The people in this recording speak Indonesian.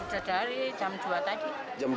sudah dari jam dua tadi